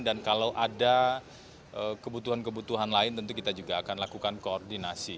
dan kalau ada kebutuhan kebutuhan lain tentu kita juga akan lakukan koordinasi